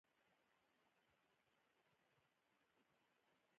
غرونه د سیلابونو او طبیعي افتونو مخنیوي کې مرسته کوي.